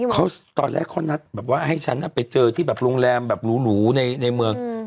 เขาตอนแรกเขานัดแบบว่าให้ฉันไปเจอที่แบบโรงแรมแบบหรูในเมือง